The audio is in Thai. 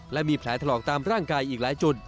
และมีแผลถลอกตามร่างกายอีกหลายจุด